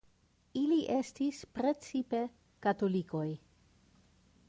Ili estis precipe katolikoj.